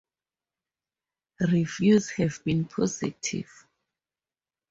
Reviews have been positive.